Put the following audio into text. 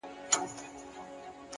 د حقیقت درناوی شخصیت لوړوي.